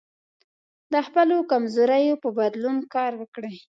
د خپلو کمزوریو په بدلون کار وکړئ.